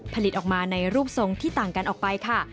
ผลิตออกมาในรูปทรงที่ต่างกันออกไปค่ะ